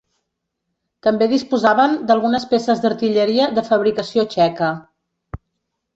També disposaven d'algunes peces d'artilleria de fabricació txeca.